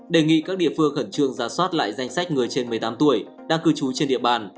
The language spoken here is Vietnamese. đề nghị các địa phương khẩn trương ra soát lại danh sách người trên một mươi tám tuổi đang cư trú trên địa bàn